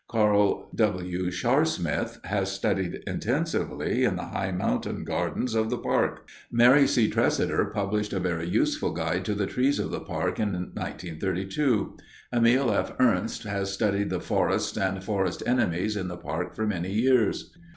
Carl W. Sharsmith has studied intensively in the high mountain "gardens" of the park. Mary C. Tresidder published a very useful guide to the trees of the park in 1932. Emil F. Ernst has studied the forests and forest enemies in the park for many years.